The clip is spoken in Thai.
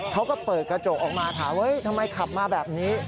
เขาก็เปิดกระจกออกมาถามเฮ้ยทำไมขับมาแบบนี้